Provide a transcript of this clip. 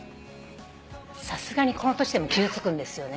さすがにこの年でも傷つくんですよね。